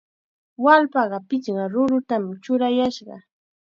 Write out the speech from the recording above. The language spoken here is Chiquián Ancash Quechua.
Wallpaqa pichqa rurutam churashqa.